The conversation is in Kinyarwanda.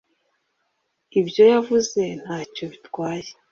Ibyo yavuze ntacyo bitwaye